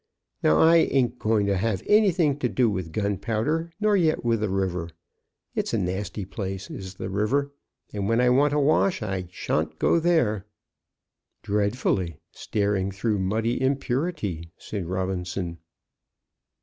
Now I ain't going to have anything to do with gunpowder, nor yet with the river. It's a nasty place is the river; and when I want a wash I shan't go there." "'Dreadfully staring through muddy impurity!'" said Robinson.